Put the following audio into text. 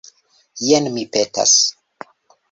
Jen, mi petas.